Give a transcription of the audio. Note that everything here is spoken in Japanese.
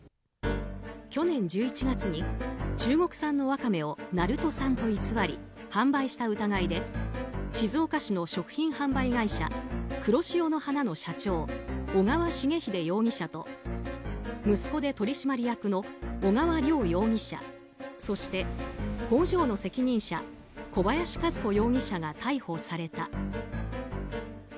去年１１月に中国産のワカメを鳴門産と偽り販売した疑いで静岡市の食品販売会社黒汐の華の社長小川重英容疑者と息子で取締役の小川良容疑者そして工場の責任者小林和子容疑者が逮捕された。